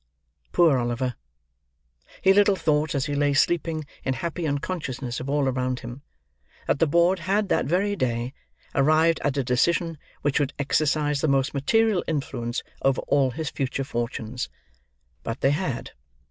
Poor Oliver! He little thought, as he lay sleeping in happy unconsciousness of all around him, that the board had that very day arrived at a decision which would exercise the most material influence over all his future fortunes. But they had.